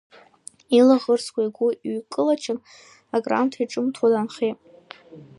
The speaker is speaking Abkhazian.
Илаӷырӡқәа игәы иҩкылачын, акраамҭа изҿымҭуа даанхеит.